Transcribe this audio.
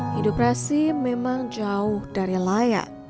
hidup rasim memang jauh dari layak